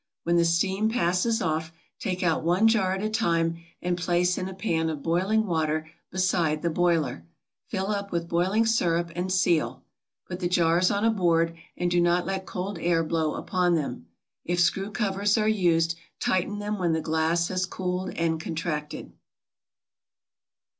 When the steam passes off take out one jar at a time and place in a pan of boiling water beside the boiler, fill up with boiling sirup, and seal. Put the jars on a board and do not let cold air blow upon them. If screw covers are used tighten them when the glass has cooled and contracted.